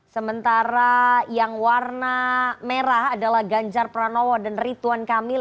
sementara yang warna merah adalah ganjar pranowo dan rituan kamil